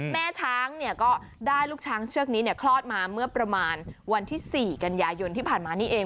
แม่ช้างก็ได้ลูกช้างเชือกนี้คลอดมาเมื่อประมาณวันที่๔กันยายนที่ผ่านมานี่เอง